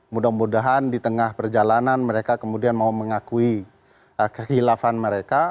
mudah mudahan di tengah perjalanan mereka kemudian mau mengakui kehilafan mereka